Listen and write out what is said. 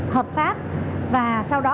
hợp pháp và sau đó